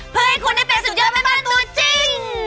เพื่อให้คุณได้เป็นสุดยอดแม่บ้านตัวจริง